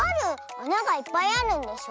あながいっぱいあるんでしょ。